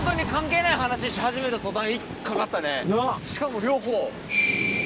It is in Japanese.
なっしかも両方。